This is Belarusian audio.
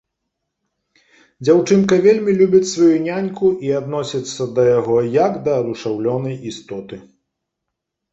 Дзяўчынка вельмі любіць сваю няньку і адносіцца да яго як да адушаўлёнай істоты.